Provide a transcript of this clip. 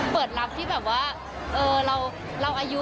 เปิดลับที่เราอะยู๒๔